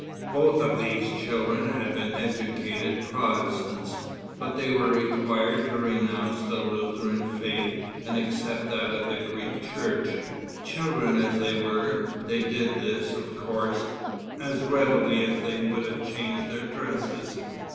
Both of these children had been educated Protestants, but they were required to renounce the Lutheran faith and accept that of the Greek church. Children as they were, they did this, of course, as readily as they would have changed their dresses.